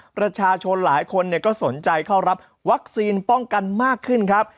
ประชาชนหลายคนก็สนใจเข้ารับวัคซีนป้องกันมากขึ้นครับ